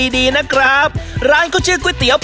ด้านหายเรือ